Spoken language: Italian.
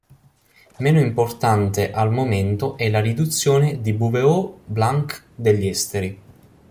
Meno importante al momento è la Riduzione di Bouveault-Blanc degli esteri.